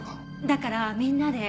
だからみんなで。